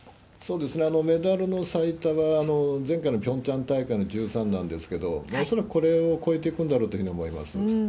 メダルの最多が前回のピョンチャン大会の１３なんですけれども、恐らくこれを超えていくんだろうと思います。